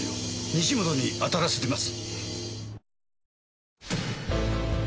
西本に当たらせてます。